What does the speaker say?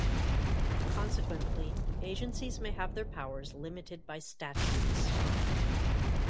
Consequently, agencies may have their powers limited by statutes.